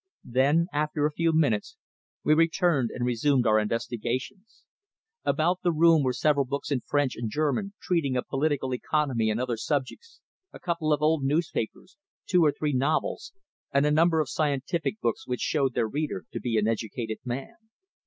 Then, after a few minutes, we returned and resumed our investigations. About the room were several books in French and German treating of political economy and other subjects, a couple of old newspapers, two or three novels, and a number of scientific books which showed their reader to be an educated man.